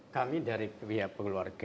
kami dari wip